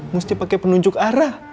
mesti pake penunjuk arah